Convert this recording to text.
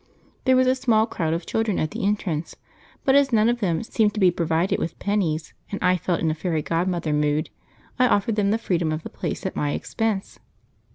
There was a small crowd of children at the entrance, but as none of them seemed to be provided with pennies, and I felt in a fairy godmother mood, I offered them the freedom of the place at my expense.